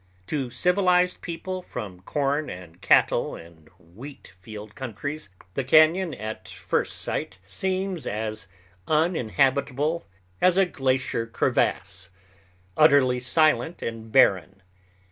To civilized people from corn and cattle and wheat field countries the cañon at first sight seems as uninhabitable as a glacier crevasse, utterly silent and barren.